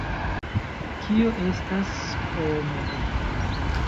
Kio estas Oomoto?